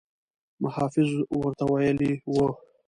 محافظ ورته ویلي وو.